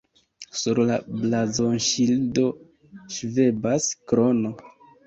Sur la blazonŝildo ŝvebas krono.